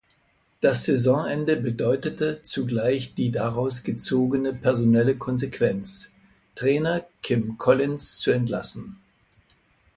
Das Saisonende bedeutete zugleich die daraus gezogene personelle Konsequenz, Trainer Kim Collins zu entlassen.